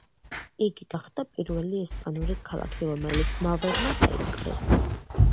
იგი გახდა პირველი ესპანური ქალაქი, რომელიც მავრებმა დაიპყრეს.